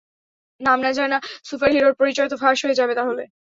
নাম না জানা সুপারহিরোর পরিচয় তো ফাঁস হয়ে যাবে তাহলে।